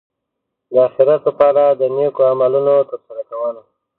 د اخرت لپاره د نېکو عملونو ترسره کول.